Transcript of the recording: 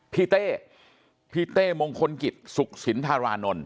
เต้พี่เต้มงคลกิจสุขสินธารานนท์